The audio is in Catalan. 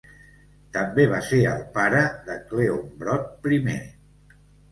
També va ser el pare de Cleombrot I.